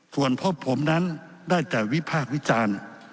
ส่วนพบผมนั้นได้แต่วิพากษ์วิจารณ์